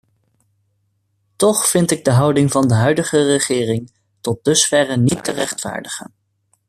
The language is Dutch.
Toch vind ik de houding van de huidige regering tot dusverre niet te rechtvaardigen.